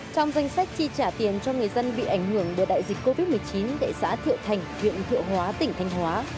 trong danh sách chi trả tiền cho người dân bị ảnh hưởng bởi đại dịch covid một mươi chín tại xã thiệu thành huyện thiệu hóa tỉnh thanh hóa